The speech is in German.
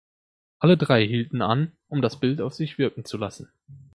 Alle drei hielten an, um das Bild auf sich wirken zu lassen.